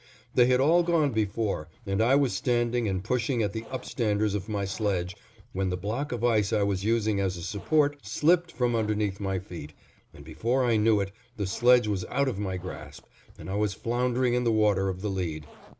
They had all gone before, and I was standing and pushing at the upstanders of my sledge, when the block of ice I was using as a support slipped from underneath my feet, and before I knew it the sledge was out of my grasp, and I was floundering in the water of the lead.